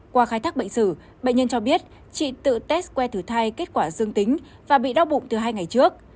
qua khai thác bệnh sử bệnh nhân cho biết chị tự test que thử thai kết quả dương tính và bị đau bụng từ hai ngày trước